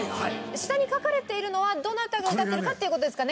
下に書かれているのはどなたが歌ってるかっていう事ですかね？